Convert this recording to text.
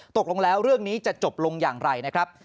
ตกลงแล้วเรื่องนี้จะจบลงอย่างไรนะครับ